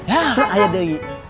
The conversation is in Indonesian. itu ayah dewi